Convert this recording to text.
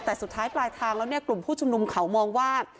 แต่สุดท้ายปลายทางแล้วเนี่ยกลุ่มผู้ชุมนุมเขามองว่า